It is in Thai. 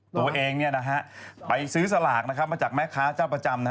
ตัวเองไปซื้อสลากนะครับมาจากแม่ค้าเจ้าประจำ